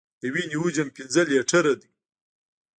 د وینې حجم پنځه لیټره دی.